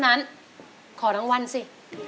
เพราะฉะนั้นขอรางวัลสิ